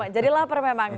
jadi lapar memang